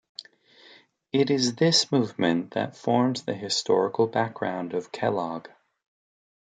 It is this movement that forms the historical background of Kellogg.